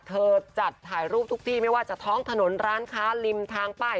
จัดถ่ายรูปทุกที่ไม่ว่าจะท้องถนนร้านค้าริมทางป้าย